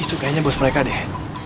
itu kayaknya bos mereka deh hand